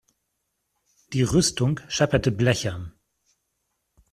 Die Rüstung schepperte blechern.